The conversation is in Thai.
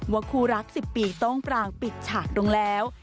ว่าคู่รัก๑๐ปีต้องปรางปิดฉากลงแล้ว